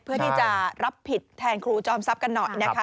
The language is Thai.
เพื่อที่จะรับผิดแทนครูจอมทรัพย์กันหน่อยนะคะ